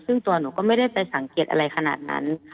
ซึ่งตัวหนูก็ไม่ได้ไปสังเกตอะไรขนาดนั้น